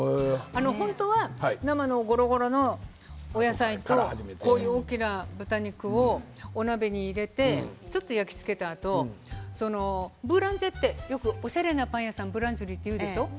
本当は生のゴロゴロのお野菜と大きな豚肉を、お鍋に入れてちょっと焼き付けたあとブーランジェってよくおしゃれなパンでパン屋さんブーランジェリーと言うでしょう？